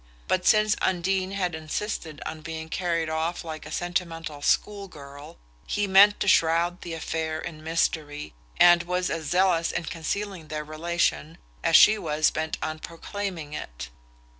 But since Undine had insisted on being carried off like a sentimental school girl he meant to shroud the affair in mystery, and was as zealous in concealing their relation as she was bent on proclaiming it.